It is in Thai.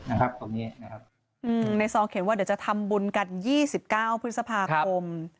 ในซองเขียนว่าเดี๋ยวจะทำบุญกัน๒๙พฤษภาคม